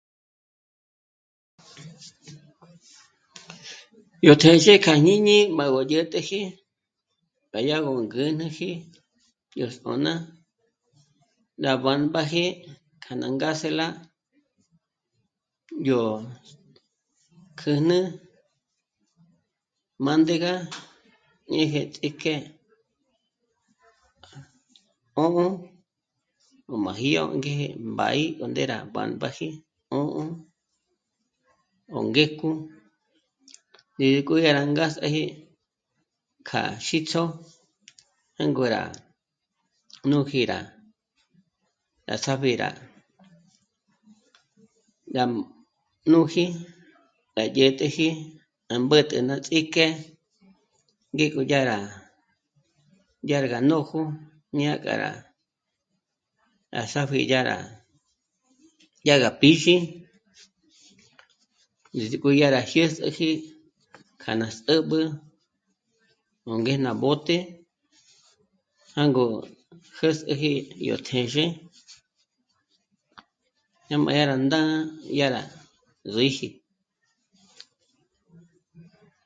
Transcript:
Yó téxe k'a jñíñi má gó dyä̀t'äji má yá gó ngǚjnüji yó s'ó'na rá bámbáji k'a ná ngásela yó kjǘjnü mândéga ñeje ts'ík'e. 'ō̌'ō ó máji yó ngéje mbá'í gó nde rá bámbáji ō̌'ō, ó ngéjk'ú ndízik'o yá rá ngásaji kja xítso. Jângo rá nùji rá, rá sáb'i rá... núji gá dyä̀t'äji gá mbǚtü ná ts'íjk'e ngék'o yá rá, yár gá nójo ñá'a k'a rá, rá sápji dyá rá, dyá gá pízhi ndízik'o dyá rá jyês'ēji k'a ná s'ä̌b'ä̌, o ngé ná bote, jângo jä̌s'äji yó téxe dyá má yá rá ndá'a, dyá rá zǐji